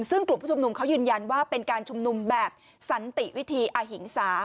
ซึ่งกลุ่มผู้ชุมนุมเขายืนยันว่าเป็นการชุมนุมแบบสันติวิธีอหิงสา